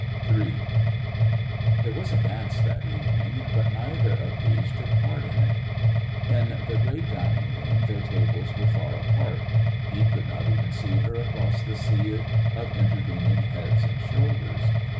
3 There was a dance that evening, but neither of these took part in it. In the great dining room their tables were far apart. He could not even see her across the sea of intervening heads and shoulders.